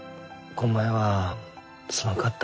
こん前はすまんかった。